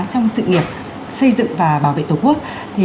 trong sự nghiệp xây dựng và bảo vệ tổ quốc